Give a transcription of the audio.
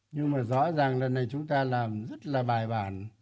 nhưng mà rõ ràng lần này chúng ta làm rất là bài bản